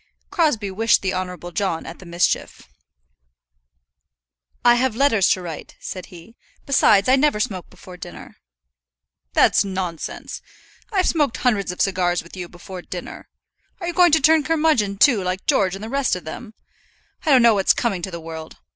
Crosbie wished the Honourable John at the mischief. "I have letters to write," said he. "Besides, I never smoke before dinner." "That's nonsense. I've smoked hundreds of cigars with you before dinner. Are you going to turn curmudgeon, too, like George and the rest of them? I don't know what's coming to the world!